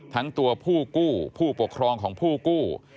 ทั้งตัวผู้กู้ผู้ปกครองของผู้กู้